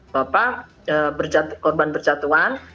bapak korban percatuan